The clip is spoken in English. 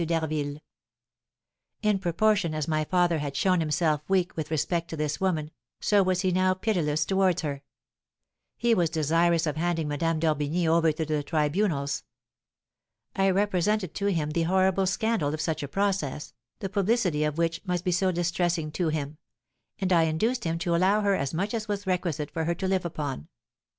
d'Harville. In proportion as my father had shown himself weak with respect to this woman, so was he now pitiless towards her. He was desirous of handing Madame d'Orbigny over to the tribunals. I represented to him the horrible scandal of such a process, the publicity of which must be so distressing to him; and I induced him to allow her as much as was requisite for her to live upon.